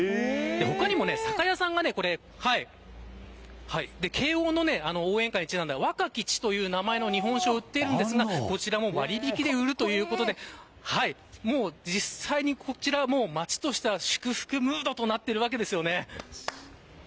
他にも酒屋さんが慶応の応援歌にちなんだ若き血という名前の日本酒を置いていますがこちらも割引で売るということで実際にこちら、街としては祝福ムードとなっているわけです。